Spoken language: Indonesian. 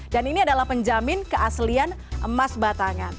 dan ini adalah penjamin keaslian emas batangan